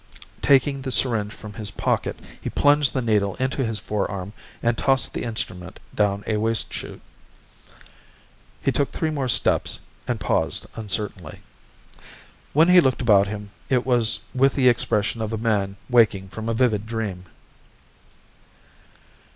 Taking the syringe from his pocket, he plunged the needle into his forearm and tossed the instrument down a waste chute. He took three more steps and paused uncertainly. When he looked about him it was with the expression of a man waking from a vivid dream.